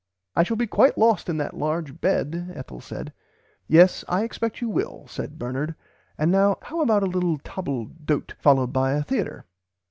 "I shall be quite lost in that large bed," Ethel says. "Yes I expect you will said Bernard and now what about a little table d'ote followed by a theatre?"